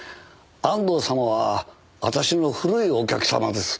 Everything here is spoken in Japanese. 安藤様は私の古いお客様です。